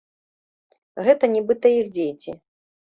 Гэта нібыта іх дзеці.